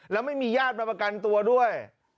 แล้วไม่มีญาติมาประกันตัวด้วย